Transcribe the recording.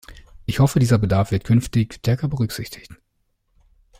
Ich hoffe, dieser Bedarf wird künftig stärker berücksichtigt.